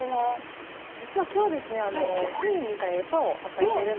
実は今日ですねあっ